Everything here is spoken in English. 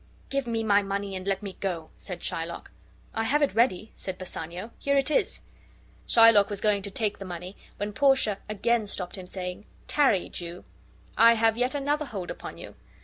"Give me my money and let me go," said Shylock. "I have it ready," said Bassanio. "Here it is." Shylock was going to take the money, when Portia again stopped him, saying: "Tarry, Jew. I have yet another hold upon you.